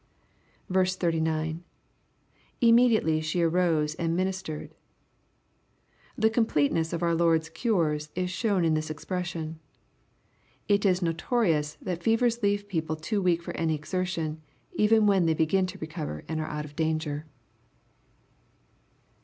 39. — [Immediaidy she arose and mmistered,] The completeness of our Lord's cures is shown in this expression. It is notorious that fevers leave people too weak for any exertion, even when they begin to recover and are out oi danger.